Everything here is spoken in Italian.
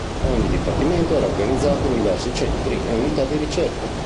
Ogni dipartimento era organizzato in diversi centri e unità di ricerca.